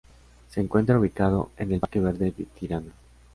Se encuentra ubicado en el Parque Verde de Tirana.